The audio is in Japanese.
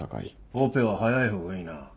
オペは早い方がいいな。